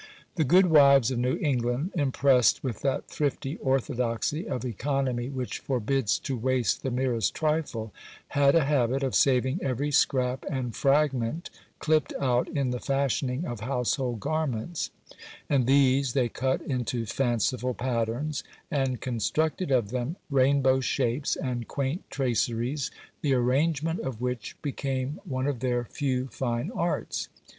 The good wives of New England, impressed with that thrifty orthodoxy of economy which forbids to waste the merest trifle, had a habit of saving every scrap and fragment clipped out in the fashioning of household garments; and these they cut into fanciful patterns, and constructed of them rainbow shapes and quaint traceries, the arrangement of which became one of their few fine arts.